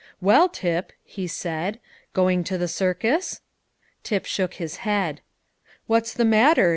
"Well, Tip," he said, "going to the circus?" Tip shook his head. "What's the matter?